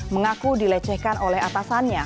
mengaku dilecehkan oleh atasannya